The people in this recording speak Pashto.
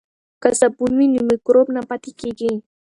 که صابون وي نو مکروب نه پاتې کیږي.